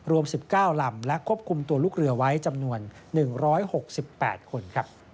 รวม๑๙ลำและควบคุมตัวลูกเรือไว้จำนวน๑๖๘คน